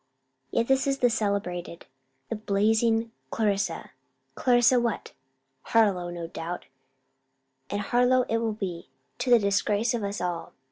Yet this is the celebrated, the blazing Clarissa Clarissa what? Harlowe, no doubt! And Harlowe it will be, to the disgrace of us all!